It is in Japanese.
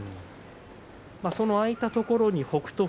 その空いたところに北勝